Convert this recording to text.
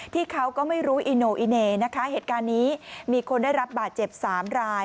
ที่เขาก็ไม่รู้อิโนอิเน่นะคะเหตุการณ์นี้มีคนได้รับบาดเจ็บสามราย